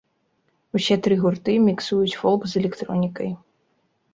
Усе тры гурты міксуюць фолк з электронікай.